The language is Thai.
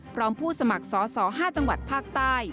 ผู้สมัครสอสอ๕จังหวัดภาคใต้